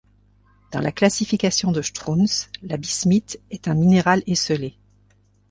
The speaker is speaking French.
Dans la classification de Strunz, la bismite est un minéral esseulé.